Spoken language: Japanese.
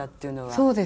そうです。